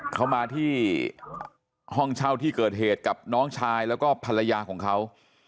เขามาที่ห้องเช่าที่เกิดเหตุกับน้องชายแล้วก็ภรรยาของเขา